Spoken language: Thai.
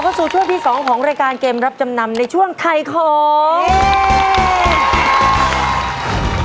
สู่ช่วงที่๒ของรายการเกมรับจำนำในช่วงถ่ายของ